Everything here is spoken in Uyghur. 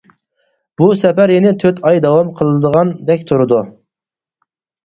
بۇ سەپەر يەنە تۆت ئاي داۋا قىلىدىغاندەك تۇرىدۇ.